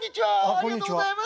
ありがとうございます」。